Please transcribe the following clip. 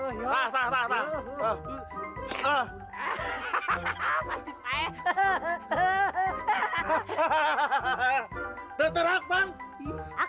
ini mau ada anak makin uya tak karek aing tak